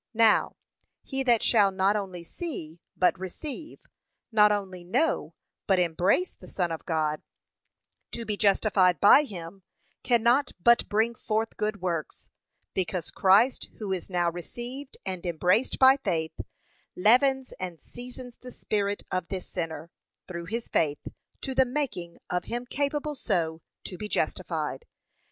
Now, he that shall not only see, but receive, not only know, but embrace the Son of God, to be justified by him, cannot but bring forth good works, because Christ who is now received and embraced by faith, leavens and seasons the spirit of this sinner, through his faith, to the making of him capable so to be [justified].